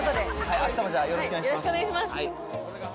あしたもよろしくお願いします。